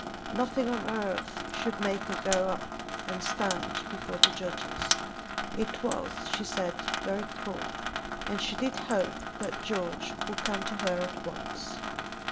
Nothing on earth should make her go up and stand before the judges. It was, she said, very cruel, and she did hope that George would come to her at once.